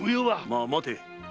まあ待て。